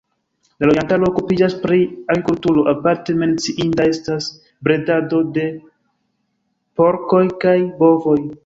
La loĝantaro okupiĝas pri agrikulturo, aparte menciinda estas bredado de porkoj kaj bovoj.